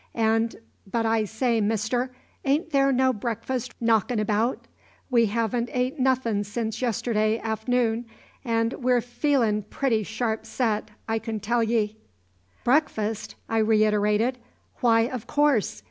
And but, I say, Mister, ain't there no breakfast knockin' about? We haven't ate nothin' since yesterday a'ternoon, and we're feelin' pretty sharp set, I can tell ye." "Breakfast!" I reiterated. "Why, of course.